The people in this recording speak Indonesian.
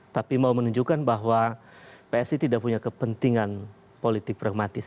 tapi mau menunjukkan bahwa psi tidak punya kepentingan politik pragmatis